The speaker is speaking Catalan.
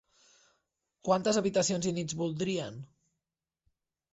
Quantes habitacions i nits voldrien?